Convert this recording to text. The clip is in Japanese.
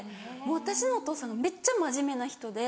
私のお父さんがめっちゃ真面目な人で。